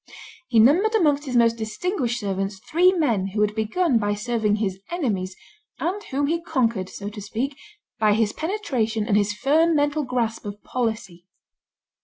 He numbered amongst his most distinguished servants three men who had begun by serving his enemies, and whom he conquered, so to speak, by his penetration and his firm mental grasp of policy.